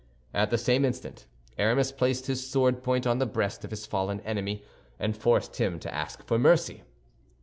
At the same instant Aramis placed his sword point on the breast of his fallen enemy, and forced him to ask for mercy.